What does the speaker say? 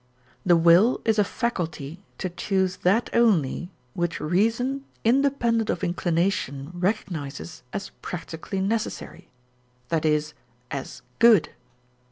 the will is a faculty to choose that only which reason independent of inclination recognises as practically necessary, i.e., as good.